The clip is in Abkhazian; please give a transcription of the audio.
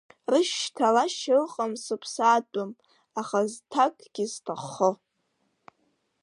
Рышьҭалашьа ыҟам сыԥсаатәым, аха зҭакгьы сҭаххо…